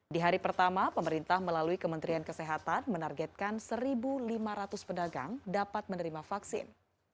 di hari pertama pemerintah melalui kementerian kesehatan menargetkan satu lima ratus pedagang dapat menerima vaksin